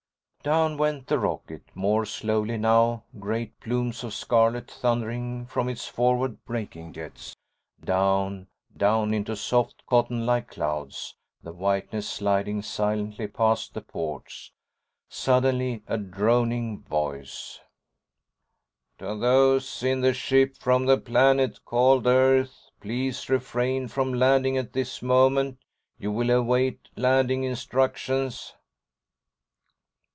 ———— Down went the rocket, more slowly now, great plumes of scarlet thundering from its forward braking jets. Down, down into soft, cotton like clouds, the whiteness sliding silently past the ports. Suddenly, a droning voice: "To those in the ship from the planet called Earth: Please refrain from landing at this moment. You will await landing instructions."